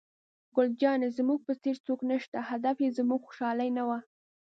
ګل جانې: زموږ په څېر څوک نشته، هدف یې زموږ خوشحالي نه وه.